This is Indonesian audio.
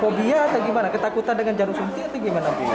fobia atau gimana ketakutan dengan jarum suntik atau gimana